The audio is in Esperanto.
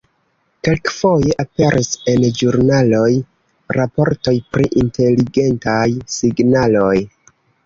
Kelkfoje aperis en ĵurnaloj raportoj pri inteligentaj signaloj.